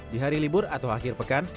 di hari libur atau akhir pekan